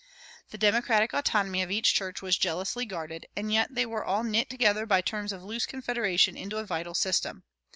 The democratic autonomy of each church was jealously guarded, and yet they were all knit together by terms of loose confederation into a vital system.